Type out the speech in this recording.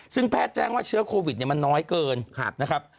ซึ่งแพทย์แจ้งว่าเชื้อโควิดมันน้อยเกินนะครับ